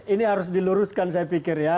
ini harus diluruskan saya pikir ya